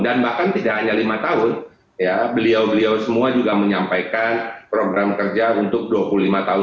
dan bahkan tidak hanya lima tahun ya beliau beliau semua juga menyampaikan program kerja untuk dua puluh lima tahun